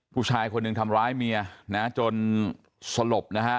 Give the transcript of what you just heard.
ผู้ชายคนหนึ่งทำร้ายเมียนะจนสลบนะฮะ